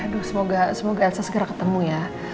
aduh semoga ensa segera ketemu ya